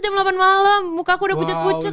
jam delapan malem mukaku udah pucet pucet